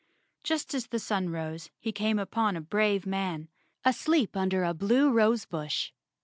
Just as the sun rose he came upon a brave man, asleep under a blue rose bush.